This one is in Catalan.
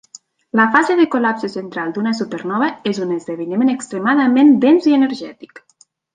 La fase de col·lapse central d'una supernova és un esdeveniment extremadament dens i energètic.